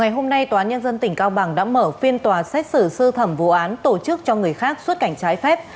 hôm nay tòa án nhân dân tỉnh cao bằng đã mở phiên tòa xét xử sơ thẩm vụ án tổ chức cho người khác xuất cảnh trái phép